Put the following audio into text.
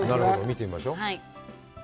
見てみましょう。